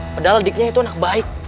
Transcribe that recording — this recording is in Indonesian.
padahal adiknya itu anak baik